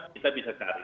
kita harus mencari